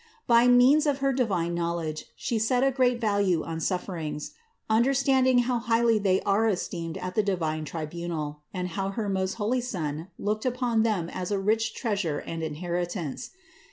By means of her divine knowledge She set a great value on sufferings ; understanding how highly they are esteemed at the divine tribunal, and how her most holy Son looked upon them as a rich treasure and inheritance.